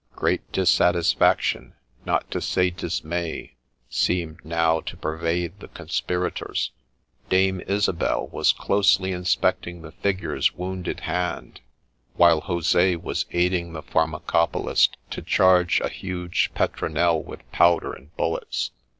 Great dissatisfaction, not to say dismay, seemed now to pervade the conspirators ; Dame Isabel was closely inspecting the figure's wounded hand, while Jose was aiding the pharmacopolist to charge a huge petronel with powder and bullets.